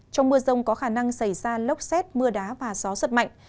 trong mưa rông có khả năng xảy ra lốc xét mưa đá và gió giật mạnh